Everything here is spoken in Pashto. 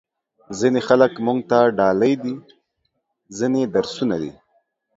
ځینې خلک موږ ته ډالۍ دي، ځینې درسونه دي.